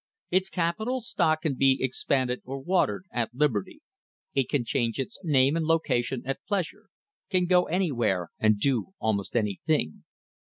Its capital stock can be expanded or "watered" at liberty; it can change its name and location at pleasure; can go anywhere and do almost anything.